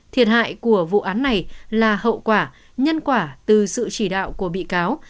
thiệt hại của vụ án này là hậu quả nhân quả từ sự chỉ đạo của bị cáo